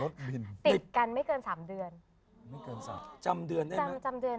ติดกันไม่เกินสามเดือน